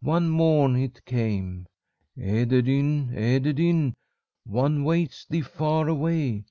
One morn it came: "'Ederyn! Ederyn! One waits thee far away.